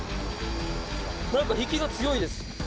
なんか引きが強いです。